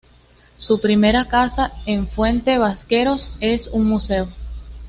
Su primera casa, en Fuente Vaqueros, es un museo.